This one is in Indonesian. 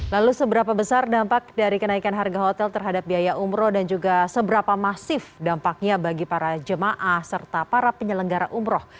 lalu seberapa besar dampak dari kenaikan harga hotel terhadap biaya umroh dan juga seberapa masif dampaknya bagi para jemaah serta para penyelenggara umroh